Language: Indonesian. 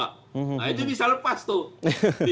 nah itu bisa lepas tuh